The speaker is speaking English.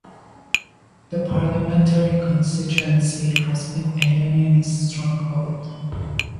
The parliamentary constituency has been a Unionist stronghold.